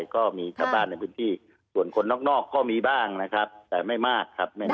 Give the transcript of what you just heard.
ก็มีชาวบ้านในพื้นที่ส่วนคนนอกก็มีบ้างนะครับแต่ไม่มากครับ